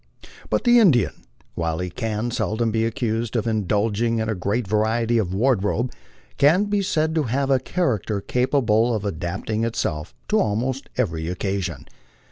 But the Indian, while he can seldom be accused of indulging in a great variety of wardrobe, can be said to have a character capable of adapting itself to almost every occasion.